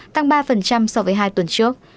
tăng ba so với hai tuần trước